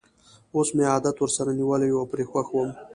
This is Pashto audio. اوس مې عادت ورسره نیولی وو او پرې خوښ وم.